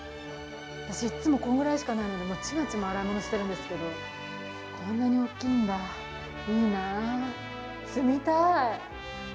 私、いつもこのくらいしかないのでちまちま洗い物してるんですけどこんなに大きいんだ、いいなぁ。